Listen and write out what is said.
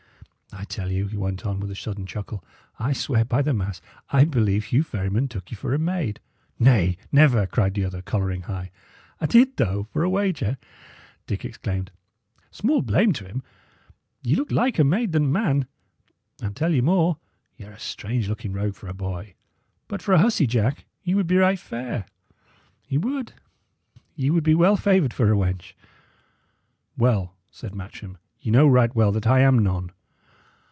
I tell you," he went on, with a sudden chuckle, "I swear by the mass I believe Hugh Ferryman took you for a maid." "Nay, never!" cried the other, colouring high. "A' did, though, for a wager!" Dick exclaimed. "Small blame to him. Ye look liker maid than man; and I tell you more y' are a strange looking rogue for a boy; but for a hussy, Jack, ye would be right fair ye would. Ye would be well favoured for a wench." "Well," said Matcham, "ye know right well that I am none."